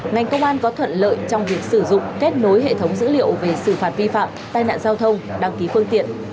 ngành công an có thuận lợi trong việc sử dụng kết nối hệ thống dữ liệu về xử phạt vi phạm tai nạn giao thông đăng ký phương tiện